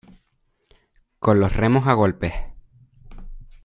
con los remos a golpes.